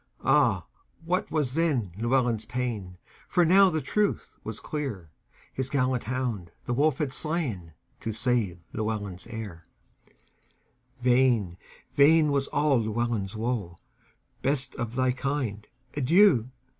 Ah, what was then Llewelyn's pain! For now the truth was clear; His gallant hound the wolf had slainTo save Llewelyn's heir:Vain, vain was all Llewelyn's woe;"Best of thy kind, adieu!